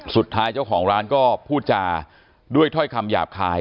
สุดท้ายเจ้าของร้านก็พูดจาด้วยถ้อยคำหยาบคาย